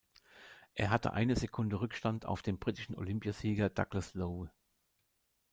Er hatte eine Sekunde Rückstand auf den britischen Olympiasieger Douglas Lowe.